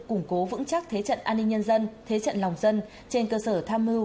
củng cố vững chắc thế trận an ninh nhân dân thế trận lòng dân trên cơ sở tham mưu